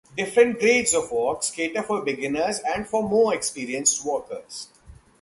Different grades of walks cater for beginners and for more experienced walkers.